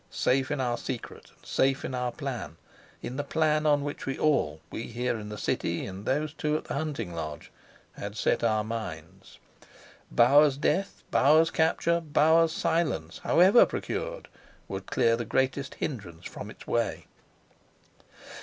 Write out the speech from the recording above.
Safe in our secret and safe in our plan in the plan on which we all, we here in the city, and those two at the hunting lodge, had set our minds! Bauer's death, Bauer's capture, Bauer's silence, however procured, would clear the greatest hindrance from its way.